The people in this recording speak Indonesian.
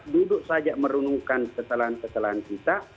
duduk saja merunuhkan kesalahan kesalahan kita